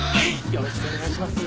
よろしくお願いします。